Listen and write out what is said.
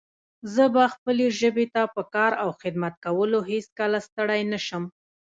زه به خپلې ژبې ته په کار او خدمت کولو هيڅکله ستړی نه شم